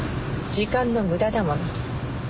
時間の無駄だもの。